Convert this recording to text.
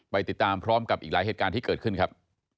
ไปติดตามพร้อมกับอีกหลายเหตุการณ์ที่เกิดขึ้นครับ